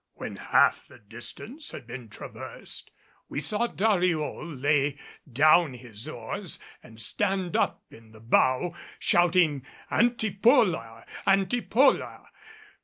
When half the distance had been traversed we saw Dariol lay down his oars and stand up in the bow shouting, "Antipola! Antipola!"